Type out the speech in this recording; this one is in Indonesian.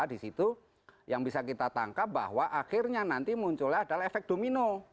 di situ yang bisa kita tangkap bahwa akhirnya nanti munculnya adalah efek domino